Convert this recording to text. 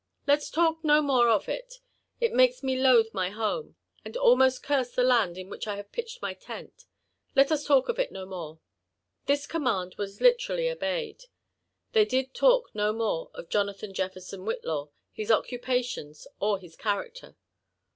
Let's talk no more of it ; it makes me loathe my home, and almost curse the land in which I have pitched my tent : let us talk of it no more." This command was literally obeyed. They did talk no more of Jo nathan Jefferson Whitlow, his occupations, or his character.